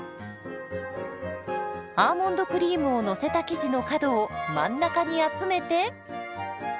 アーモンドクリームをのせた生地の角を真ん中に集めて。